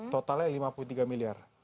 totalnya lima puluh tiga miliar